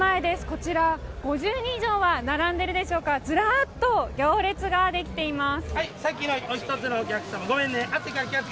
こちら５０人以上は並んでいるでしょうかずらっと行列ができています。